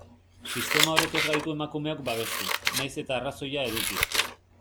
Sistema horrek ez gaitu emakumeok babestu, nahiz eta arrazoia eduki.